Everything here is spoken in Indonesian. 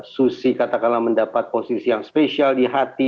susi katakanlah mendapat posisi yang spesial di hati